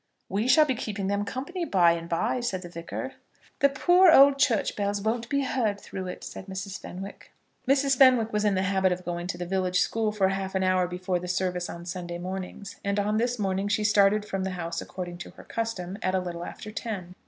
"We shall be keeping them company by and by," said the Vicar. "The poor old church bells won't be heard through it," said Mrs. Fenwick. Mrs. Fenwick was in the habit of going to the village school for half an hour before the service on Sunday mornings, and on this morning she started from the house according to her custom at a little after ten.